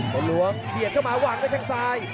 วันหลวงเดียนเข้ามาหวังได้ทั้งซ้าย